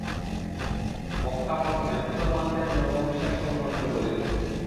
বক্তা প্রথমে মুসলমানদের ধর্মবিশ্বাস সম্বন্ধে বলেন।